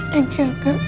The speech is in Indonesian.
thank you tante